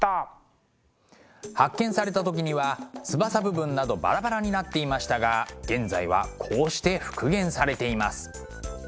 発見された時には翼部分などバラバラになっていましたが現在はこうして復元されています。